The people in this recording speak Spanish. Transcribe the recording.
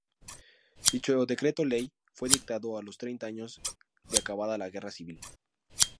Dicho Decreto-Ley fue dictado a los treinta años de acabada la Guerra Civil.